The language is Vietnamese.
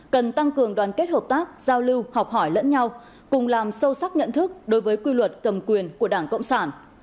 cần tăng cường đoàn kết hợp tác giao lưu học hỏi lẫn nhau cùng làm sâu sắc nhận thức đối với quy luật cầm quyền của đảng cộng sản